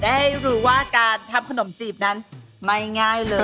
ได้รู้ว่าการทำขนมจีบนั้นไม่ง่ายเลย